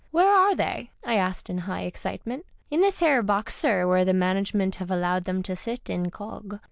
" Where are they ?" I asked in high excitement. " In this 'ere box, sir, where the management have allowed them to sit incog."